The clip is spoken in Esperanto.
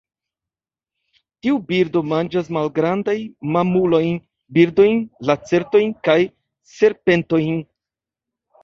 Tiu birdo manĝas malgrandajn mamulojn, birdojn, lacertojn kaj serpentojn.